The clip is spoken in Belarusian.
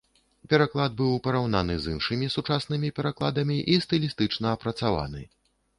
Пераклад быў параўнаны з іншымі сучаснымі перакладамі і стылістычна апрацаваны.